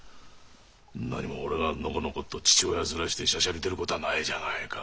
なにも俺がのこのこと父親面してしゃしゃり出る事はないじゃないか。